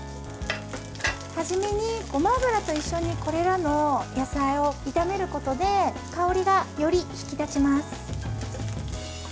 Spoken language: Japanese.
初めに、ごま油と一緒にこれらの野菜を炒めることで香りが、より引き立ちます。